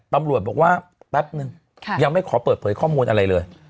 ตำรวจบอกว่าแป๊บนึงยังไม่ขอเปิดเผยข้อมูลอะไรเลย